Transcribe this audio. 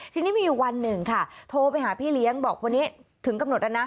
ทีนี้มีอยู่วันหนึ่งค่ะโทรไปหาพี่เลี้ยงบอกวันนี้ถึงกำหนดแล้วนะ